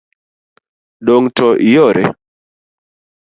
Dong' to iore.